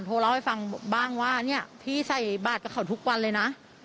เล่าให้ฟังบ้างว่าเนี่ยพี่ใส่บาทกับเขาทุกวันเลยนะ